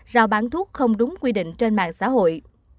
giao bán thuốc không đúng quy định trên mạng xã hội